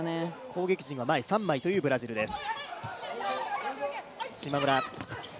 攻撃陣は前三枚というブラジルです。